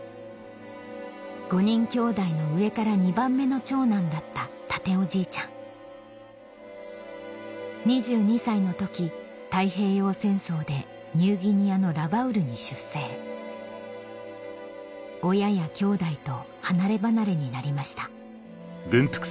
５人きょうだいの上から２番目の長男だった健夫じいちゃん２２歳の時太平洋戦争でニューギニアのラバウルに出征親やきょうだいと離れ離れになりました